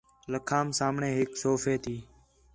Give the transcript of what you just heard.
لَکھام سامݨے ہِک صوفے تی